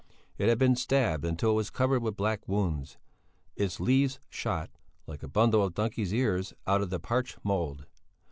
It had been stabbed until it was covered with black wounds; its leaves shot, like a bundle of donkeys' ears out of the parched mould.